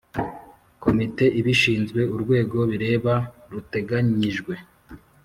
Komite ibishinzwe urwego bireba ruteganyijwe